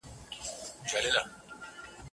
شپه تر سهاره مي لېمه په الاهو زنګوم